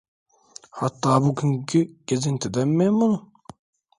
Hatta bugünkü gezintimizden memnunum.